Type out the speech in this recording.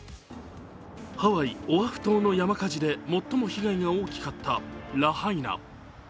ハワイ・オワフ島の山火事で最も被害が大きかったラハイナ。